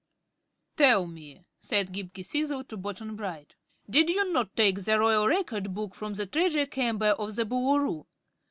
"Tell me," said Ghip Ghisizzle to Button Bright, "did you not take the Royal Record Book from the Treasure Chamber of the Boolooroo?"